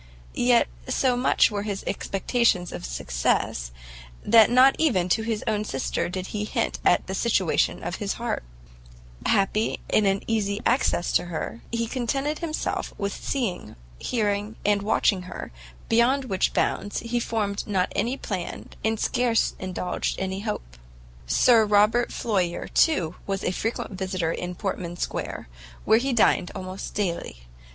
Yet so small were his expectations of success, that not even to his sister did he hint at the situation of his heart: happy in an easy access to her, he contented himself with seeing, hearing and watching her, beyond which bounds he formed not any plan, and scarce indulged any hope. Sir Robert Floyer, too, was a frequent visitor in Portman Square, where he dined almost daily.